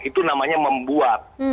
itu namanya membuat